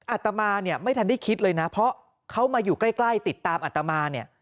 อาตมาเนี่ยไม่ทันได้คิดเลยนะเพราะเขามาอยู่ใกล้ติดตามอัตมาเนี่ย